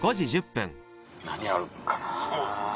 何あるかな。